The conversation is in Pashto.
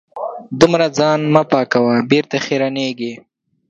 دومره ځان مه پاکوه .بېرته خیرنېږې